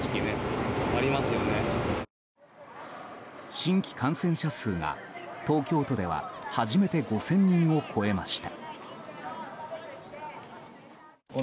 新規感染者数が東京都では初めて５０００人を超えました。